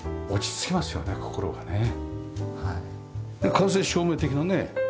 間接照明的なね。